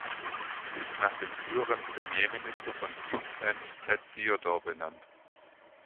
Sie ist nach dem früheren Premierminister von Queensland "Ted Theodore" benannt.